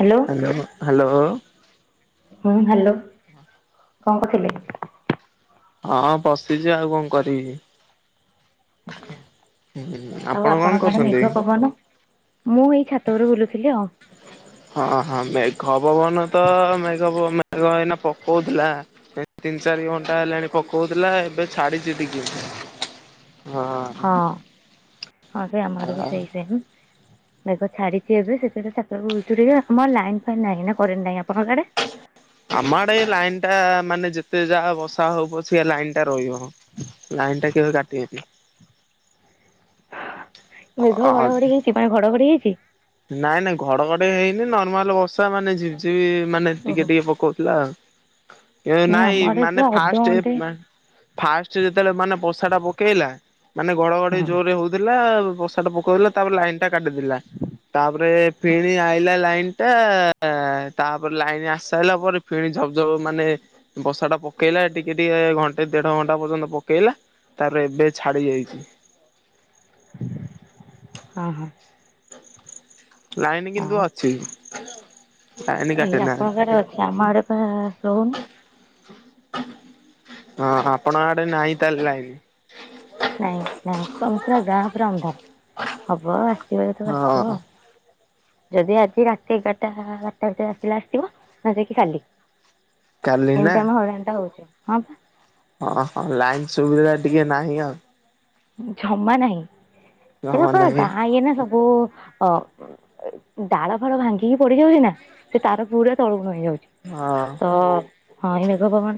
Hello. Hello hello. ହୁଁ hello. [inaudible] ହଁ କଣ କଁ ଥିଲେ ହଁ ବସିଚି ଆଉ କଣ କରିବି। ହୁଁ ଆଉ ଆପଣ କଣ ଆପଣଙ୍କ ଆଡେ କରୁଛନ୍ତି? ମେଘ ପବନ? ମୁଁ ଏଇ ଛାତ ଉପରୁ ବୁଲୁଥିଲି ଆଉ। ହଁ ହଁ ମେଘ ପବନ ତ ମେଘ ପବନ ମେଘ ଏଇନା ପକଉଥିଲା। ଏ ତିନି ଚାରି ଘଣ୍ଟା ହେଲାଣି ପକଉଥିଲା ଏବେ ଛାଡିଚି ଟିକେ ହଁ। ହଁ ହଁ ସେ ଆମ ଆଡେ ବି ସେଇ ସେମ୍। ମେଘ ଛାଡ଼ିଚି ଏବେ ସେଥିପାଇଁ ଛାତ ଉପରେ ବୁଲୁଚୁ ଟିକେ ଆମର ଲାଇନ୍ ଫାଇନ୍ ନାହିଁ ନା କରେଣ୍ଟ ନାହିଁ ଆପଣଙ୍କ କାଡ଼େ? ଆମ ଆଡେ ଏ ଲାଇନ୍ ଟା ମାନେ ଯେତେ ଯାହା ବର୍ଷା ହୋଉ ପଛିକା ଲାଇନ୍ ଟା ରହିବ। ଲାଇନ୍ ଟା କେବେ କାଟିିବେନି। ମେଘ ଘଡଘଡି ହେଇଚି ପା ଘଡଘଡି ହେଇଚି? ନାଇଁ ନାଇଁ ଘଡଘଡି ହେଇନି ନର୍ମାଲ ବର୍ଷା ମାନେ ଝିବିଝିପି ମାନେ ଟିକେ ଓହୋ ଟିକେ ପକଉଥିଲା ଆଉ ଏ ନାଇଁ ଆମ ଆଡେ ମାନେ ପୁରା ଫାଷ୍ଟ ଏ ଅଧଘଣ୍ଟେ ଫାଷ୍ଟ ଯେତେବେଳେ ମାନେ ବର୍ଷା ଟା ପକେଇଲା ମାନେ ଘଡଘଡି ହୁଁ ଜୋରରେ ହଉଥିଲା ବସ ଟା ପକୋଉଥିଲା ତାପରେ ଲାଇନ୍ ଟା କାଟିଥିଲା ତାପରେ ଫେଣି ଆଇଲା ଲାଇନ୍ ଟା ତାପରେ ଲାଇନ୍ ଆସି ସାରିଲା ପରେ ଫେଣି ଧପ ଧପ ମାନେ ବର୍ଷା ଟା ପକେଇଲା ଟିକେ ଟିକେ ଘଣ୍ଟେ ଦେଢ ଘଣ୍ଟା ପର୍ଯ୍ୟନ୍ତ ପକେଇଲା। ତାପରେ ଏବେ ଛାଡି ଯାଇଚି। ହଁ। ଲାଇନ୍ କିନ୍ତୁ ଆଉ ଅଛି। ଲାଇନ ଏଇ କାଟି ନାହାନ୍ତି। ଆପଣଙ୍କ ଆଡେ ଅଛି ଆମ ଆଡେ ଦଉନି। ହଁ ଆପଣ ଆଡେ ନାହିଁ ତାହେଲେ ଲାଇନି ନାଇଁ ନାଇଁ କମ ପୁରା ଗାଁ ପୁରା ଅନ୍ଧାର ହବଅ ଆସିବ ଯେତେବେଳେ ହଁ। ଆସିବ। ଯଦି ଆଜି ରାତି ଏଗାରଟା ବାରଟା ଭିତରେ ଆସିଲେ ଆସଥିବ ନ ହେଲେ ଯାଇକି କାଲି କାଲି ନା ଏମତି ଆମେ ହଇରାଣ ଟା ହଉଛୁ ହଁ ବା। ହଁ ହଁ ଲାଇନ୍ ସୁବିଧା ଟିକେ ନାହିଁ ଆଉ ଜମା ନାହିଁ ଜମା ଏଇଟା ନାହିଁ। ଗାଁ ଇଏ ନା ସବୁ ଅ ଡାଳ ଫାଳ ଭାଙ୍ଗିକି ପଡିଯାଉଛି ନା ସେ ତାର ପୁରା ତଳକୁ ନଇଁ ଯାଉଛି। ହଁ। ତ ହଁ ଏ ମେଘ ପବନ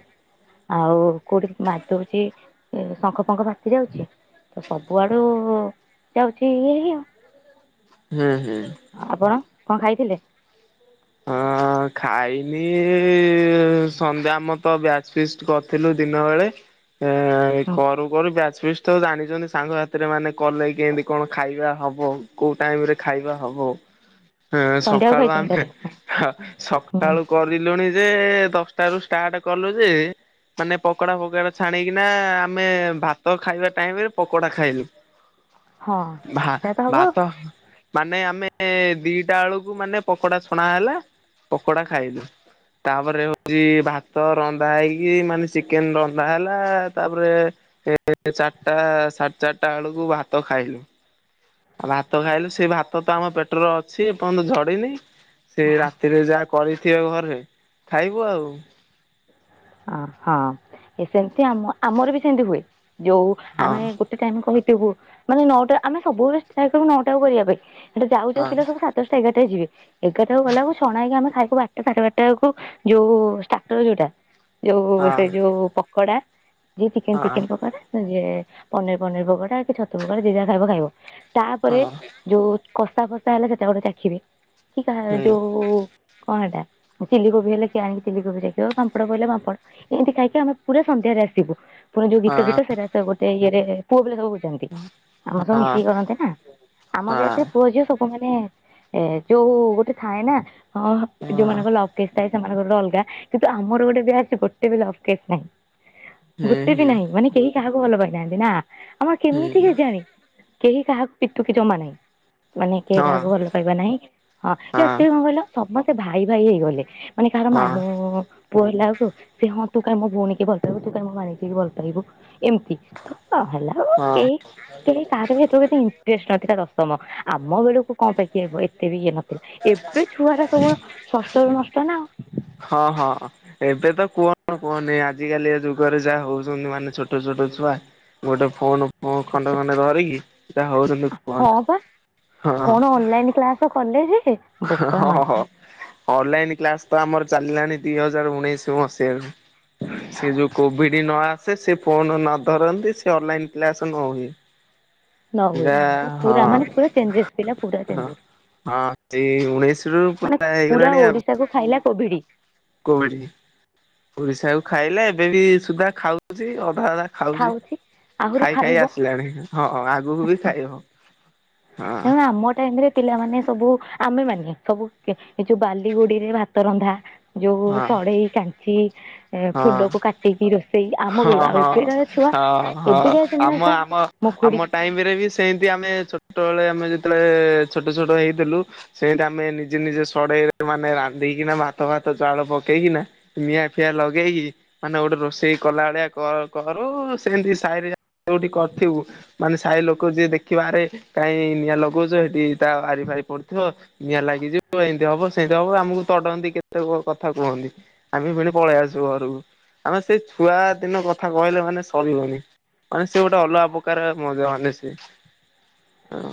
ଆଉ କୋଉଠି ମାଡ଼ ହଉଛି ଶଙ୍ଖ ଫଙ୍ଖ ଫାଟି ଯାଉଛି। ତ ସବୁଆଡୁ ଯାଉଛି ଇଏ ହଇ ଆଉ ହୁଁ ହୁଁ। ଆପଣ କଣ ଖାଇଥିଲେ। ହଁ ଖାଇଛି ସନ୍ଧ୍ୟା ଆମର ତ ବ୍ୟାଚ ଫିଷ୍ଟ କରିଥିଲୁ ଦିନ ବେଳେ ଏ ଏଇ ହଁ କରୁ କରୁ ବ୍ୟାଚ ଫିଷ୍ଟି ତ ଜାଣିଛନ୍ତି ସାଙ୍ଗ ସାଥିରେ ମାନେ କଲେ କି କେମିତି କଣ ଖାଇବା ହବ କୋଉ ଟାଇମ ରେ ଖାଇବା ହବ। ହଁ ସନ୍ଧ୍ୟାକୁ ସକାଳୁ ଖାଇଛନ୍ତି ଆମେ ତାହେଲେ ହୁଁ। ସକାଳୁ କରିଲୁଣି ଯେ ଦଶଟା ରୁ ଷ୍ଟାର୍ଟ କଲୁ ଯେ ମାନେ ପକୋଡା ଫକୋଡା ଛାଣିକିନା ଆମେ ଭାତ ଖାଇବା ଟାଇମରେ ପକୋଡା ଖାଇଲୁ। ହଁ [inaudible] ଭ ସେଇଆ ତ ହବ ଆଉ। ଭାତ ମାନେ ଆମେ ଦିଟା ବେଳକୁ ମାନେ ପକୋଡା ଛଣା ହେଲା ପକୋଡା ଖାଇଲୁ। ତାପରେ ହଉଛି ଭାତ ରନ୍ଧା ହେଇକି ମାନେ ଚିକେନ ରନ୍ଧା ହେଲା ତାପରେ ଏ ଚାରିଟା ସାଢେ ଚାରିଟା ବେଳକୁ ଭାତ ଖାଇଲୁ। ଆଉ ଭାତ ଖାଇଲୁ ସେଇ ଭାତ ତ ଆମ ପେଟରେ ଅଛି ଏପର୍ଯ୍ୟନ୍ତ ଝଡିନି ସେ ରାତିରେ ଯାହା କରିଥିବେ ଘରେ ଖାଇବୁ ଆଉ। ଅ ହଁ ସେମିତି ଆମ ଆମର ବି ସେମିତି ହୁଏ ଯୋଉ ହଁ ଆମେ ଟାଇମି କହିଥିବୁ ମାନେ ନଅଟା ଆମେ ସବୁବେଳେ ନଅଟା କୁ କରିବା ପାଇଁ ସେଠୁ ଯାଉ ଯାଉ ହଁ। ପିଲା ସବୁ ଦଶଟା ଏଗାରାଟା ରେ ଯିବ ଏଗାରଟାକୁ ଗଲାବେଳକୁ ଛଣାହେଇକି ଆମ ଖାଇକୁ ବାରଟା ସାଢେ ବାରଟା ବେଳକୁ ଯୋଉ ଷ୍ଟାର୍ଟର ଯୋଉଟା ଯୋଉ ହଁ ସେ ଯୋଉ ପକୋଡା ଯୋଉ ଚିକେନ ହଁ ଚିକେନ ପକୋଡା ଯିଏ ପନିର ପନିର ପକୋଡ଼ା କି ଛତୁ ପକୋଡା ଯିଏ ଯାହା ଖାଇବା ଖାଇବ ତାପରେ ହଁ ଯୋଉ କଷା ଫସା ହେଲେ ସେଇଟା ଗୋଟେ ଚାଖିବେ କି କା ହୁଁ ଯୋଉ କଣ ହେଇଟା ଚିଲି କୋବି ହେଲେ କି ଆଣିକି ଚିଲିକୋବି ଚାଖିବ ପାମ୍ପଡ଼ କହିଲେ ପାମ୍ପଡ଼ ଏମିତି ଖାଇକି ଆମେ ପୁରା ସନ୍ଧ୍ୟାରେ ଆସିବୁ ପୁରା ଯୋଉ ଗୀତ ହଁ ଗୀତ ସେରା ଆସିବ ଗୋଟେ ଇଏରେ ପୁଅ ପିଲା ସବୁ ବୁଝନ୍ତି ଆମର ସବୁ ହଁ ମିଶେଇି କରନ୍ତି ନା ଆମ ବ୍ୟାଚ ହଁ। ରେ ପୁଅ ଝିଅ ସବୁମାନେ ଏ ଯୋଉ ଗୋଟେ ଥାଏ ନା ହଁ ଯୋଉମାନଙ୍କର ଲଭ୍ କେସ୍‌ ଥାଏ ସେମାନଙ୍କର ଅଲଗା କିନ୍ତୁ ଆମର ଗୋଟେ ବ୍ୟାଚ ଗୋଟେ ବି ଲଭ କେସ୍ ନାହିଁ ହୁଁ ଗୋଟେ ବି ହୁଁ ନାହିଁ ମାନେ କେହି କାହାକୁ ଭଲ ପାଇନାହାନ୍ତି ନା ଆମର କେମିତି ହୁଁ କେଜାଣି କେହି କାହାକୁ ପୁତୁକି ଜମା ନାହିଁ। ମାନେ କିଏ ହଁ କାହାକୁ ଭଲ ପାଇବା ନାହିଁ ହଁ ସେ କଣ କହିଲ ସମସ୍ତେ ଭାଇ ଭାଇ ହେଇଗଲେ। ମାନେ କାହାର ହଁ ମାମୁଁ ପୁଅ ହେଲା ବେଳକୁ ସେ ହଁ ତୁ କାହିଁକି ମୋ ଭଉଣୀ କି ଭଲ ପାଇବୁ ତୁ କାଇଁ ମୋ ଭାଣିଜୀ କି ଭଲ ପାଇବୁ ଏମିତି ତ କଣ ହେଲା ରୁ ହଁ। କେହି-କେହି କାହାର ବି ଏତେ କେତେ ଇଣ୍ଟରେଷ୍ଟ ନ ଥିଲାତ, ସମ ଆମ ବେଳକୁ କଁ ପାଇଁ କି ହେବ ଏତେ ବି ଇଏ ନଥିଲା ଏବେ ଛୁଆ ର ସବୁ, ଷଷ୍ଠ ର ନଷ୍ଟ ନା ଆଉ, ହଁ-ହଁ, ଏବେ ତ କଣ କୁହନି ଆଜିକାଲିକା ଏ ଯୁଗରେ ଯାହା ହଉଛନ୍ତି ମାନେ ଛୋଟ-ଛୋଟ ଛୁଆ, ଗୋଟେ ଫୋନ, ହଁ ଛୋଟ ଛୁଆ। ଖଣ୍ଡେ-ଖଣ୍ଡେ ଧରିକି ଯାହା ହଉଛନ୍ତି କୁହ ହଁ ହଁ, ତୁ କଲେଜ୍ ଜାଇହେ? ହଁ-ହଁ-ହଁ ଅନଲାଇନ କ୍ଲାସ ତ ଆମର ଚାଲିଲାଣି ଦି ହଜାର ଉଣେଇଶ ମସିହାରୁ, ସେ ଯୋଉ କୋଭିଡ ନ ଆସେ ସେ ଫୋନ ନ ଧରନ୍ତି ସେ ଅନଲାଇନ୍ କ୍ଲାସ ନ ହୁଏ, ନ ହୁଏ ନା ତ ପୁରା ମାନେ ପୁରା ଚେଞ୍ଜେସ୍ ପିଲା ପୁରା ହଁ-ହଁ-ହଁ, ଚେଞ୍ଜେସ୍ ତେଇ ଉଣେଇଶି ରୁ ପୁରା ହେଇଗଲାଣି ଆଉ, ତାକୁ ଖାଇଲା କୋଭିଡ଼ି, କୋଉଡି ଓଡ଼ିଶା କୁ ଖାଇଲେ ଏବେ ବି ସୁଦ୍ଧା ଖାଉଛି ଅଧା-ଅଧା, ଖାଉଛି ଆହୁରି ଖାଇ-ଖାଇ ଖାଇବ ଆସିଲାଣି ହଁ ଆଗକୁ ବି ଖାଇବ, ହଁ ନା ଆମୋ ଟାାଇମରେ, ପିଲାମାନେ ସବୁ ଆମେ ମାନେ ସବୁ ଏ ଯୋଉ ବାଲିଗୁଡିରେ ଭାତ ରନ୍ଧା, ଯୋଉ ହଁ ସଢଡେଇ କାଞ୍ଚି ଏ ହଁ। ଫୁଲକୁ କାଟ୍ ଟିକି ରୋଷେଇ ଆମ ହଁ ବେଳୁ ଆଉ ହଁ ଏବେ କା ଛୁଆ ହଁ ଏବେ କା ଜିନିଷ ମୋ ଖୁଡ଼ୀ, ଟାଇମ୍ ରେ ବି ସେମିତି ଆମେ ଛୋଟ ବେଳେ ଆମେ ଯେତେବେଳେ ଛୋଟ-ଛୋଟ ହେଇଥିଲୁ, ସେଇଟା ଆମେ ନିଜେ-ନିଜେ ସଡେଇରେ ମାନେ ରାନ୍ଧିକିନା ଭାତ-ଭାତ ଚାଉଳ ପକେଇକିନା, ନିଆଁ ଫିଆଁ ଲଗେଇକି ମାନେ ଗୋଟେ ରୋଷେଇ, କଲା ବେଳିଆ କ କରୁ ସେମିତି ସାହିରେ ଯୋଉଠି କରିଥିବୁ, ମାନେ ସାହି ଲୋକ ଯିଏ ଦେଖିବା ଆରେ କାହିଁ ନିଆଁ ଲଗଉଛ ଏଠି ତା ଆରି ଫାରି ପଡ଼ୁଥିବ, ନିଆଁ ଲାଗିଯିବ ଏମିତି ହବ ସେମିତି ହବ ଆମକୁ ତଡନ୍ତି କେତେ କୁହ କଥା କୁହନ୍ତି, ଆମେ ପୁଣି ପଳେଇ ଆସୁ ଘରକୁ ଆମେ ସେଇ ଛୁଆ ଦିନ କଥା କହିଲେ ମାନେ ସରିବନି, ମାନେ ସେ ଗୋଟେ ଅଲଗା ପ୍ରକାର ମ ମାନେ ସେ ହଁ,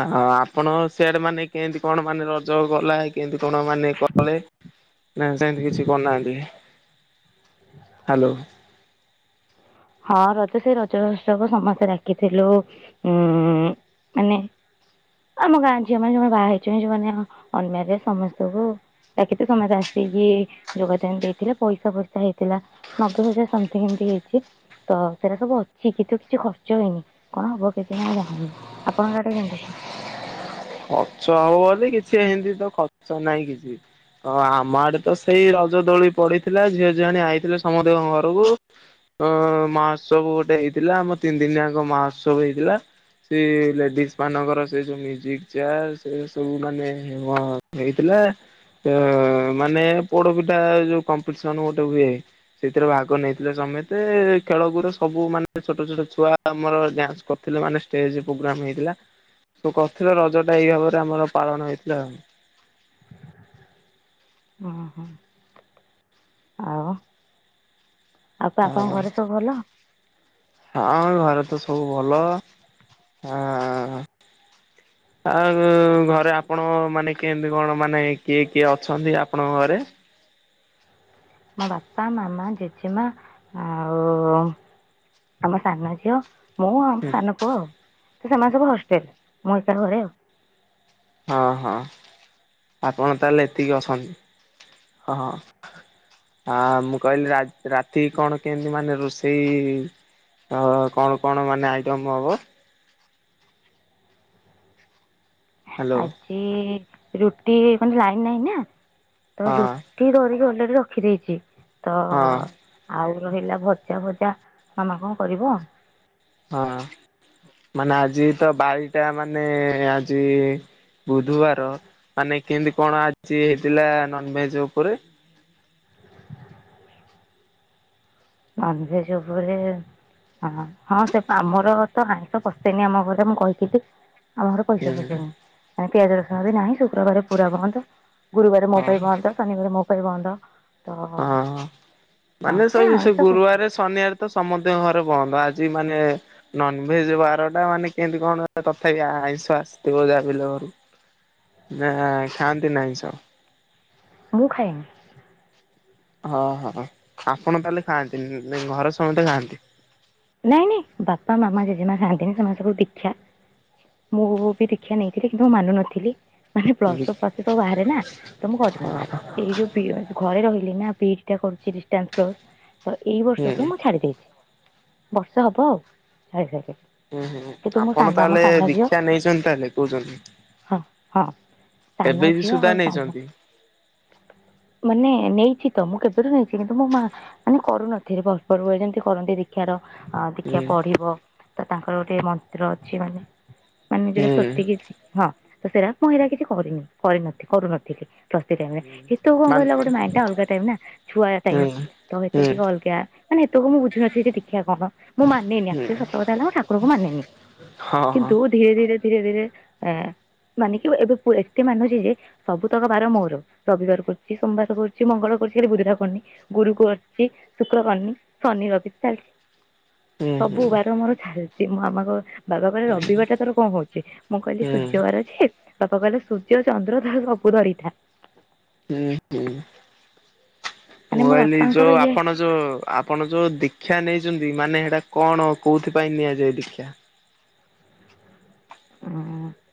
ହ ଆପଣ ସେଆଡ଼େ ମାନେ କେମତି କଣ ମାନେ ରଜ ଗଲା କେମତି କଣ ମାନେ କଲେ, ନାାଇଁ ସେମିତି କିଛି କରୁନାହାନ୍ତି? ହ୍ୟାଲୋ, ହଁ ରଜ ସେଇ ରଜ ଉତ୍ସବ ସମସ୍ତେ ଡାକିଥିଲୁ ଉଁ ମାନେ, ଆମ ଗାଁ ଝିଅ ମାନେ ଯୋମାନେ ବାହା ହେଇ ଯଉମାନେ ଅନ୍ ମରେଟ୍ ସମସ୍ତଙ୍କୁ, ଡାକିଥିଲୁ ତ ସମଜେ ଆସିକି ଯୋଗଦାନ ଦେଇଥିଲା ପଇସା ଫର୍ସା ହେଇଥିଲା, ନବେ ହଜାର ସମଥିଙ୍ଗ ଏମିତି ହେଇଛି, ତ ସେଇଟା ସବୁ ଅଛି କିନ୍ତୁ କିଛି ଖର୍ଚ୍ଚ ହେଇନି କଣ ହବ କିଛି ଆମେ ଜାଣିନୁ ଆପଣଙ୍କ ଆଟେ ଯେମିତି, ଖର୍ଚ୍ଚ ହଉ ବୋଲି କିଛି ଏମିତି ତ ଖର୍ଚ୍ଚ ନହିଁ କିଛି, ହଁ ଆମ ଆଡ଼େ ତ ସେଇ ରଜ ଦୋଳି ପଡ଼ିଥିଲା ଝିଅ ଝିଅଣି ଆଇଥିଲେ ସମୁଦେଙ୍କ ଘରକୁ, ଅ ମହୋତ୍ସବ ଗୋଟେ ହେଇଥିଲା ଆମ ତିନି ଦିନିଆଙ୍କ ମହୋତ୍ସବ ହେଇଥିଲା, ସେଇ ଲେଡିଜ ମାନଙ୍କର ସେ ଯୋଉ ମ୍ୟୁଜିକ୍, ସେଇ ୟା ସବୁ-ସବୁ ମାନେ କଣ ହେଇଥିଲା, ତ ମାନେ ପୋଡ଼ପିଠା ଯୋଉ କମ୍ପିସନ ଗୋଟେ ହୁଏ, ସେଥିରେ ଭାଗ ନେଇଥିଲେ ସମେତେ ଖେଳକୁରେ ସବୁ ମାନେ ଛୋଟ-ଛୋଟ ଛୁଆ, ଆମର ଡ୍ୟାନ୍ସ କରିଥିଲ ମାନେ ଷ୍ଟେଜ ପ୍ରୋଗ୍ରାମ ହେଇଥିଲା ତ କରିଥିଲ ରଜ, ଏଟା ଏଇ ଭାବରେ ଆମର ପାଳନ ହେଇଥିଲା, ହୁଁ-ହୁଁ, ଅପା ଆପଣଙ୍କ ଆଉ। ଘରେ ସବୁ ଭଲ? ହଁ ଘରେ ତ ସବୁ ଭଲ ହଁ। ଆଉ ଘରେ ଆପଣ ମାନେ କେମିତି କଣ ମାନେ କିଏ କିଏ ଅଛନ୍ତି ଆପଣଙ୍କ ଘରେ? ମୋ ବାପା, ମାମା, ଜେଜେମା ଆଉ ଆମ ସାନ ଝିଅ ମୁଁ ଆଉ ଆମ ସାନ ପୁଅ ଆଉ ତ ସେମାନେ ସବୁ ହଷ୍ଟେଲ ମୁଁ ଏକା ଘରେ ଆଉ। ହଁ ହଁ ଆପଣ ତାହେଲେ ଏତିକି ଅଛନ୍ତି। ହଁ। ହଁ ମୁଁ କହିଲି ରା ରାତି କଣ କେମତି ମାନେ ରୋଷେଇ? ହ କଣ କଣ ମାନେ ଆଇଟମ ହବ? ହ୍ୟାଲୋ ଆଜି ରୁଟି ମାନେ ଲାଇନ ନାହିଁ ନା? ତ ହଁ କିଏ ଧରିକି ଅଲରେଡି ରଖିଦେଇଥିବେ? ହଁ। ଆଉ ରହିଲା ଭଜା ଫଜା ମାମା କଣ କରିବ? ହଁ ମାନେ ଆଜି ତ ବାରଟା ମାନେ ଆଜି ବୁଧବାର ମାନେ କେମିତି କଣ ଆଜି ହେଇଥିଲା ନନଭେଜ ଉପରେ? ନନଭେଜ ଉପରେ? ହଁ ହଁ ସେ ଆମର ତ ଆଇଁଷ ପଶେନି ଆମ ଘରେ ମୁଁ କହିଥିଲି। ଆମ ଘର ପଇସା ଫଇସା ହୁଁ ନାହିଁ ମାନେ ପିଆଜ ରସୁଣ ବି ନାହିଁ ଶୁକ୍ରବାର ପୁରା ବନ୍ଦ। ଗୁରୁବାରେ ମୋ ହଁ ପାଇଁ ବନ୍ଦ। ଶନିବାରେ ମୋ ପାଇଁ ବନ୍ଦ। ତ ହଁ ହଁ ମାନେ ପ୍ରାୟ ସବୁ ସେ ଆଇଁଷ ପଶେ ଗୁରୁବାରେ ଶନିବାରେ ତ ସମତିଙ୍କ ଘ ବନ୍ଦ ଆଜି ମାନେ ନନଭେଜ ବାରଟା ମାନେ କେମିତି କଣ ତଥାପି ଆଇଁଷ ଆସିଥିବ ଯା ବି ହେଲେ ଘରକୁ? ନା ଖାଆନ୍ତି ଆଇଁଷ। ମୁଁ ଖାଏନି। ହଁ ହଁ ଆପଣ ତାହେଲେ ଖାଆନ୍ତିନି, ଘରେ ସମନ୍ତେ ଖାଆନ୍ତି। ନାଇଁ ନାଇଁ ବାପା, ମାମା, ଜେଜେମା ଖାଆନ୍ତିନି ସେମାନେ ସବୁ ଦୀକ୍ଷା। ମୁଁ ବି ଦୀକ୍ଷା ନେଇଥିଲି କିନ୍ତୁ ମାନୁ ନଥିଲି। ମାନେ ପ୍ଲସ ହୁଁ ଟୁ ପର୍ଯ୍ୟନ୍ତ ବାହାରେ ନା ତ ମୁଁ କରିନି ଏଇ ଯୋଉ ଘରେ ରହିଲି ନା ବିଡିଟା କରୁଛି ଡିଷ୍ଟାନ୍ସ କୋର୍ସ ତ ଏଇ ହୁଁ ବର୍ଷ ତୁ ମୁଁ ଛାଡି ଦେଇଛି। ବର୍ଷେ ହେବ ଆଉ ଛାଡିସାରିଲିଣି। ହୁଁ ହୁଁ ଆପଣ ତାହେଲେ ଦୀକ୍ଷା ନେଇଛନ୍ତି ତାହେଲେ କହୁଛନ୍ତି। ହଁ ହଁ ସାନ ଏବେ ବି ଝିଅ ସୁଧା ଆଉ ସାନ ନେଇଛନ୍ତି? ମାନେ ନେଇଛି ତ ମୁଁ କେବେଠୁ ନେଇଛି କିନ୍ତୁ ମୋ ମା ମାନେ କରୁନଥିଲି [unintelligible] ଯେମିତି କରନ୍ତି ଦେଖି ଦୀକ୍ଷାର ଦୀକ୍ଷା ହୁଁ ପଢିବ ତ ତାଙ୍କର ଗୋଟେ ମନ୍ତ୍ର ଅଛି ମାନେ ମାନେ ଯୋଉଟା ହୁଁ। ସ୍ୱସ୍ତିକିି ହଁ ତ ସେଇଟା ମୁଁ ହେରା କିଛି କରିନି କରିନଥିଲି କରୁନଥିଲି ପ୍ଳ ସେଇ ଟାଇମରେ ସେତେ ବେଳେ କଣ ମାନେ କହିଲ ଗୋଟେ ମାଇଣ୍ଡ ଅଲଗା ଟାଇମ ଛୁଆଳିଆ ଟାଇମ୍। ହୁଁ ସେତେବେଳକୁ ହୁଁ ଟିକେ ଅଲଗା ମାନେ ସେତେବେଳକୁ ମୁଁ ବୁଝୁନଥିଲି ଯେ ଦୀକ୍ଷା କଣ? ମୁଁ ମାନେନି ହୁଁ ଆକ୍ଚୁଆଲି ସତ କଥା ହେଲା ମୁଁ ଠାକୁରଙ୍କୁ ମାନେନି। ହଁ। ହଁ କିନ୍ତୁ ଧୀରେ ଧୀରେ ଧୀରେ ଧୀରେ ଅ ମାନି କି ଏବେ ଏତେ ମାନୁଛି ଯେ ସବୁତକ ବାର ମୋର। ରବିବାର କରୁଛି, ସୋମବାର କରୁଛି, ମଙ୍ଗଳ କରୁଛି, ଖାଲି ବୁଧ ଯାହା କରୁନି। ଗୁରୁ କରୁଛି ଶୁକ୍ର କରିନି ଶନି ରବି ଚାଲିଛି। ହୁଁ ସବୁ ହୁଁ ବାର ମୋର ଚାଲିଛି ମୋ ମାମା କ ବାବା କହିଲେ ରବିବାରଟା ତୋର କଣ ହଉଛି ମୁଁ ହୁଁ କହିଲି ହୁଁ ସୂର୍ଯ୍ୟ ବାର ଅଛି। ବାପା କହିଲେ ସୂର୍ଯ୍ୟ ଚନ୍ଦ୍ର ତାର ସବୁ ଧରିଥା। ହୁଁ ହୁଁ ମାନେ ମୁଁ ମୋ କହିଲି ଯୋଉ ବାପାଙ୍କର ଇଏ ଆପଣ ଯୋଉ ଆପଣ ଯୋଉ ଦୀକ୍ଷା ନେଇଛନ୍ତି ମାନେ ହେଇଟା କଣ କୋଉଥି ପାଇଁ ନିଆଯାଏ ଦୀକ୍ଷା? ହୁଁ।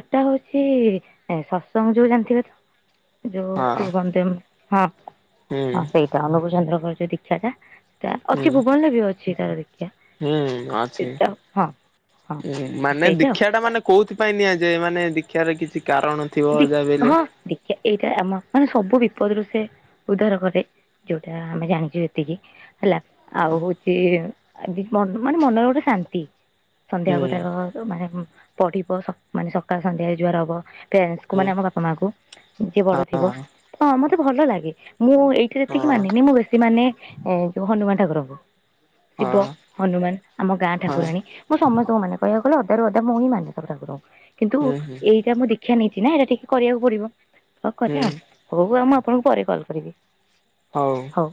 ଏଟା ହଉଛି ସତସଙ୍ଗ ଯୋଉ ଜାଣିଥିବେ ତ ଯୋଉ ହଁ ପୂର୍ବନ୍ତେମ ହଁ ହୁଁ ହଁ ସେଇଟା ଅନୁକୁଳଚନ୍ଦ୍ରଙ୍କର ଯୋଉ ଦୀକ୍ଷାଟା ହୁଁ ଅଛି ଭୁବନରେ ବି ଅଛି ତାର ଦୀକ୍ଷା ହୁଁ ଅଛି। ଏଟା ହଁ। ହଁ ମାନେ ସେଇଟା ଆଉ ଦୀକ୍ଷାଟା ମାନେ କୋଉଥିପାଇଁ ନିଆଯାଏ ମାନେ ଦୀକ୍ଷାରେ କିଛି କାରଣ? ଥିବ ଯାହା ବି ଦିକ୍ଷ ହେଲେ। ହଁ ଦିକ୍ଷା ଏଇଟା ଆମ ମାନେ ସବୁ ବିପଦରୁୁ ସେ ଉଦ୍ଧାର କରେ। ଯୋଉଟା ଆମେ ଜାଣିଛୁ ଏତିକି ହେଲା ଆଉ ହଉଛି ମନ ମାନେ ମନରେ ଗୋଟେ ଶାନ୍ତି। ହୁଁ ସନ୍ଧ୍ୟାକୁ ତାର ମାନେ ପଢିବ ସକ ମାନେ ସକାଳେ ସନ୍ଧ୍ୟାରେ ଯୁହାର ହବ। ପ୍ୟାରେଣ୍ଟସଙ୍କୁ ହୁଁ ମାନେ ଆମ ବାପା ମାଆଙ୍କୁ ଯିଏ ବଡ ହଁ ଥିବ ହଁ ମତେ ଭଲ ଲାଗେ ମୁଁ ଏ ଥିରେ ଏତିକି ହଁ ମାନେନି ମୁଁ ବେଶୀ ମାନେ ଏ ଯୋଉ ହନୁମାନ ଠାକୁରଙ୍କୁ। ଶିବ ହଁ ହନୁମାନ ଆମ ଗାଁ ହଁ ଠାକୁରାଣୀ। ମୁଁ ସମସ୍ତଙ୍କୁ ମାନେ କହିବାକୁ ଗଲେ ଅଧା ରୁ ଅଧା ମୁଁ ହିଁ ମାନେ ସବୁ ଠାକୁରଙ୍କୁ କିନ୍ତୁ ହୁଁ ହୁଁ ଏଇଟା ମୁଁ ଦୀକ୍ଷ କ୍ଷା ନେଇଛି ନା ଏଇଟା ଟିକେ କରିବାକୁ ପଡିବ। ଅ କରେ ହୁଁ ଆଉ। ହୋଉ ଆଉ ମୁଁ ଆପଣଙ୍କୁ ପରେ କଲ୍ କରିବି। ହୋଉ। ହଉ।